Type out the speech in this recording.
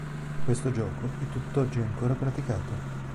Questo gioco è tutt'oggi ancora praticato.